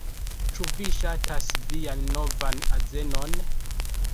Ĉu vi ŝatas vian novan azenon?